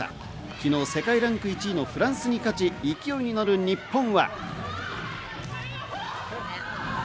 昨日世界ランク１位のフランスに勝ち、勢いにのる日本は。